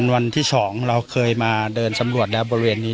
วันที่๒เราเคยมาเดินสำรวจแล้วบริเวณนี้